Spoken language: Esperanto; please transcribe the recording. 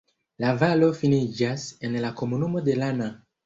La valo finiĝas en la komunumo de Lana.